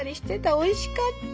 おいしかった。